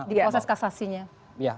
di proses kasasinya